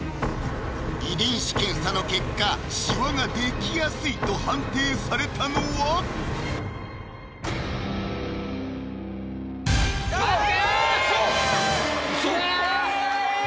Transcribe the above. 遺伝子検査の結果シワができやすいと判定されたのはえぇ⁉うわ！